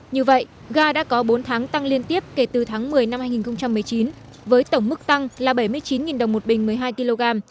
như vậy ga đã có bốn tháng tăng liên tiếp kể từ tháng một mươi năm hai nghìn một mươi chín với tổng mức tăng là bảy mươi chín đồng một bình một mươi hai kg